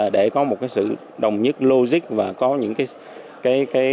để có một cái sự đồng nhất logic và có những cái